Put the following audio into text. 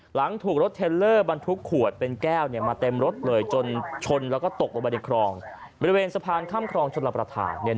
หลังถูกรถเทลเลอร์บรรทุกขวดเป็นแก้วเนี่ยมาเต็มรถเลยจนชนแล้วก็ตกลงบริเวณสะพานข้ามครองชนระประทานเนี่ย